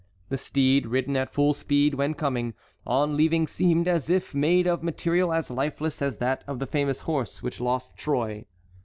The steed, ridden at full speed when coming, on leaving seemed as if made of material as lifeless as that of the famous horse which lost Troy.